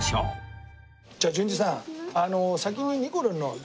じゃあ純次さん先に。